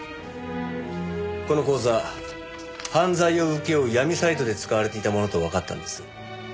この口座犯罪を請け負う闇サイトで使われていたものとわかったんですよ。